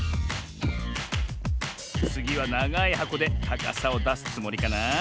つぎはながいはこでたかさをだすつもりかな？